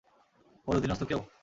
ওর অধীনস্থ কেউ?